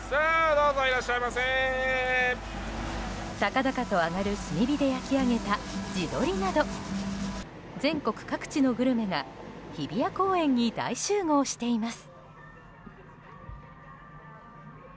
高々と上がる炭火で焼き上げた地鶏など全国各地のグルメが日比谷公園に大集合しています。